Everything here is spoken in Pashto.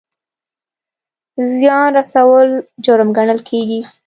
زیان رسول جرم ګڼل کیږي